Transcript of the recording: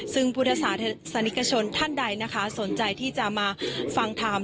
ซึ่งพุทธศาสนิกชนท่านใดนะคะสนใจที่จะมาฟังทำ